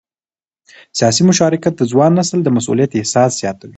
سیاسي مشارکت د ځوان نسل د مسؤلیت احساس زیاتوي